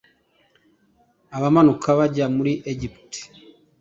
abamanuka bajya muri Egiputa